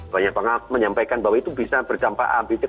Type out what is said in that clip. banyak orang menyampaikan bahwa itu bisa berdampak abis